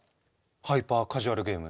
ハイパーカジュアルゲーム